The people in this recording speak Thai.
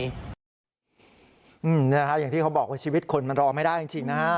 นี่ค่ะอย่างที่เขาบอกว่าชีวิตคนมันรอไม่ได้จริงนะฮะ